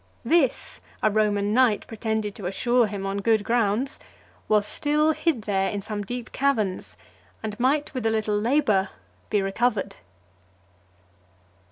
This, a Roman knight pretended to assure him, upon good grounds, was still hid there in some deep caverns, and might with a little labour be recovered.